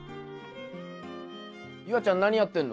夕空ちゃん何やってんの？